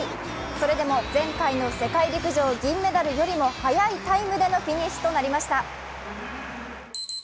それでも前回の世界陸上、銀メダルよりも速いタイムでのフィニッシュとなりました。